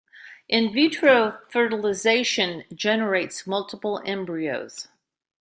In vitro fertilization generates multiple embryos.